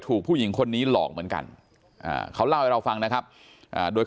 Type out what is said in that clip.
ผู้หญิงคนนี้หลอกเหมือนกันเขาเล่าให้เราฟังนะครับโดย